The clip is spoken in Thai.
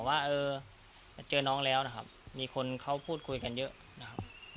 ว่าเออเจอน้องแล้วนะครับมีคนเขาพูดคุยกันเยอะนะครับ